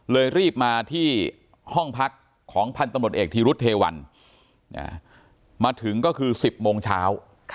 รีบมาที่ห้องพักของพันธมตเอกธีรุธเทวันมาถึงก็คือ๑๐โมงเช้า